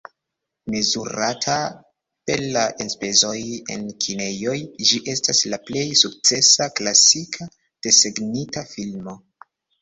Mezurata per la enspezoj en kinejoj ĝi estas la plej sukcesa klasika desegnita filmo.